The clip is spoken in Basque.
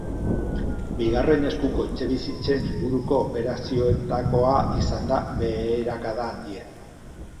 Bigarren eskuko etxebizitzen inguruko operazioetakoa izan da beherakada handiena.